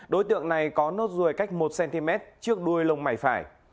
đối tượng này có nốt ruồi cách một cm trước đuôi lông mày phải